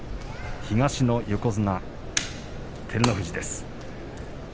東の横綱照ノ富士です。